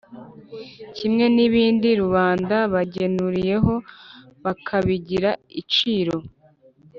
Kimwe n’ibindi rubanda bagenuriyeho, bakabigira iciro